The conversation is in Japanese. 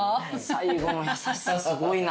最後の優しさすごいな。